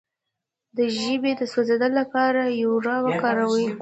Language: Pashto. د ژبې د سوځیدو لپاره بوره وکاروئ